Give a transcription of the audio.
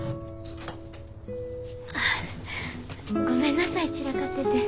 ごめんなさい散らかってて。